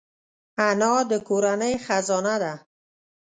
انا د کورنۍ خزانه ده